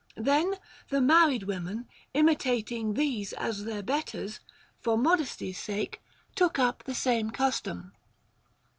Then the married women, imitating these as their betters, for modesty's sake took up the sam^ justom.